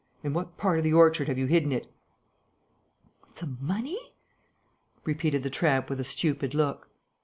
In what part of the orchard have you hidden it?" "The money?" repeated the tramp with a stupid look.